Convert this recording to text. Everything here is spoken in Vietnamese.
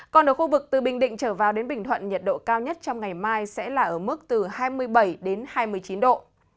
còn ở khu vực từ bình định trở vào đến bình thuận nhiệt độ cao nhất trong ngày mai sẽ là mức hai mươi bảy hai mươi chín độ